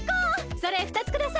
それふたつください！